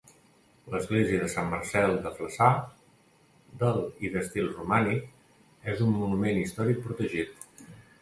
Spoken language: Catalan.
L'església de Sant Marcel de Flaçà, del i d'estil romànic, és un monument històric protegit.